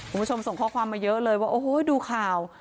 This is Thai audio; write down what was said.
คุณผู้ชมส่งข้อความมาเยอะเลยว่าโอ้โหดูข่าว